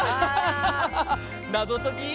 なぞとき。